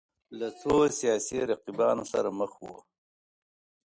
له څو سیاسي رقیبانو سره مخ وو